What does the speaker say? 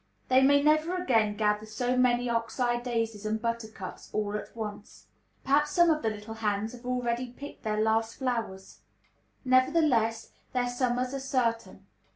They may never again gather so many ox eye daisies and buttercups "all at once." Perhaps some of the little hands have already picked their last flowers. Nevertheless, their summers are certain.